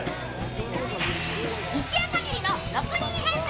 一夜かぎりの６人編成